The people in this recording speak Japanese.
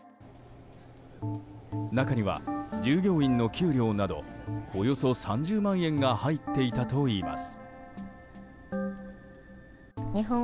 中には従業員の給料などおよそ３０万円が入っていたといいます。